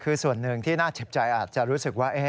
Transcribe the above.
คือส่วนหนึ่งที่น่าเจ็บใจอาจจะรู้สึกว่า